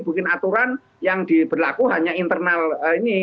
bikin aturan yang diberlaku hanya internal ini